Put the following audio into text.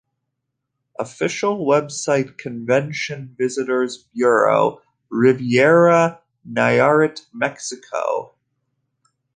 Official Website Convention Visitors Bureau Riviera Nayarit Mexico.